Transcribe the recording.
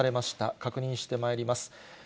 確認してまいります。